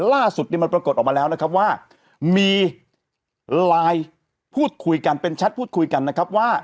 ล่าสุดเนี่ยมันปรากฏออกมาแล้วนะครับว่ามีไลน์พูดคุยกันเป็นแชทพูดคุยกันนะครับว่า